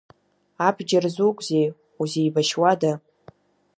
Абџьар зукзеи, узеибашьуада?